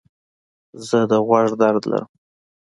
زه د غوږ درد لرم.